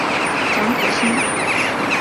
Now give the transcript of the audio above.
蒋可心。